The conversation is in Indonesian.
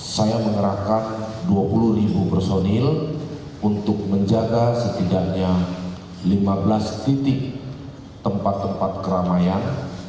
saya mengerahkan dua puluh ribu personil untuk menjaga setidaknya lima belas titik tempat tempat keramaian